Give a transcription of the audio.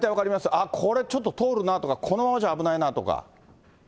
あっ、これ、ちょっと通るなとか、このままじゃ危ないなとか。